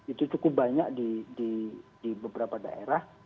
itu cukup banyak di beberapa daerah